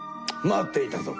待っていたぞ！